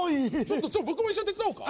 僕も一緒に手伝おうか？